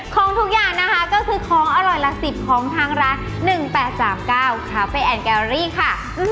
ของทุกอย่างนะคะก็คือของอร่อยละ๑๐ของทางร้าน๑๘๓๙คาเฟ่แอนแกรี่ค่ะ